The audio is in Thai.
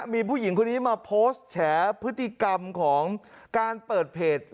มีผู้หญิงคนนี้มาโพสต์แฉพฤติกรรมของการเปิดเพจ